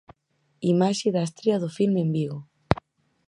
Imaxe da estrea do filme en Vigo.